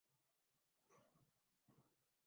سیاسی حقوق کے مطالبات کوجائز قرار دیا گیا